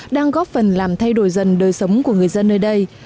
đang góp phần làm thay đổi dần đời sống của người dân nơi đây